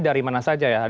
dari mana saja ya